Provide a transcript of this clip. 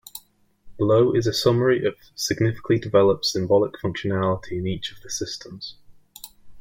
Below is a summary of significantly developed "symbolic" functionality in each of the systems.